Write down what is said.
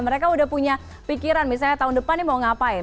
mereka udah punya pikiran misalnya tahun depan nih mau ngapain